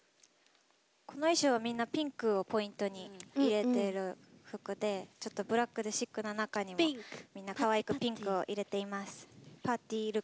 この衣装はみんなピンクをポイントに入れている服でちょっとブラックでシックな中にかわいくピンクを入れている。